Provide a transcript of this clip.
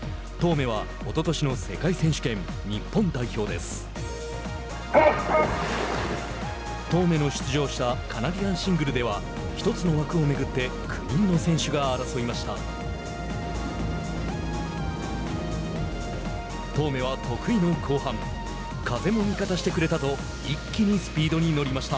當銘の出場したカナディアンシングルでは１つの枠を巡って９人の選手が争いました。